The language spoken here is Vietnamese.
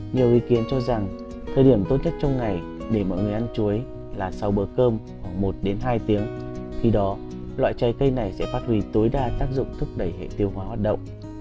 nhiều ý kiến cho rằng thời điểm tốt nhất trong ngày để mọi người ăn chuối là sau bữa cơm khoảng một đến hai tiếng khi đó loại trái cây này sẽ phát huy tối đa tác dụng thúc đẩy hệ tiêu hóa hoạt động